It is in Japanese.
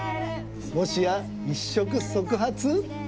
もしや「一触即発」